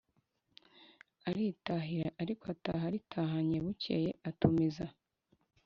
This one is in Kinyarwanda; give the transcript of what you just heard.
aritahira, ariko ataha aritahanye bukeye atumiza